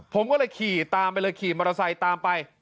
ผมก็เลยขี่ตามไปเลยขี่มอเตอร์ไซค์ตามไป